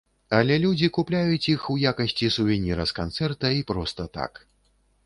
Але людзі купляюць іх, у якасці сувеніра з канцэрта і проста так.